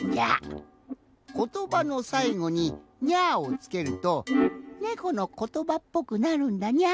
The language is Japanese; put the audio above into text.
ことばのさいごに「にゃ」をつけるとねこのことばっぽくなるんだにゃ。